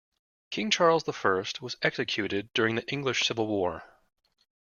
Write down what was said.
King Charles the First was executed during the English Civil War